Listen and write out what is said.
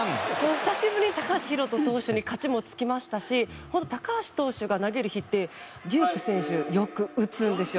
久しぶりに高橋宏斗投手に勝ちも付きましたし高橋投手が投げる日って龍空選手、よく打つんですよ。